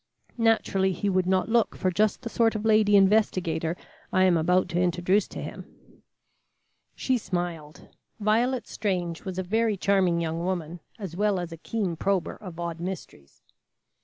Naturally he would not look for just the sort of lady investigator I am about to introduce to him." She smiled. Violet Strange was a very charming young woman, as well as a keen prober of odd mysteries.